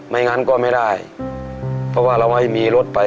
งั้นก็ไม่ได้เพราะว่าเราไม่มีรถไป